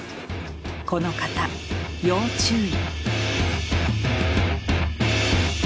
この方要注意。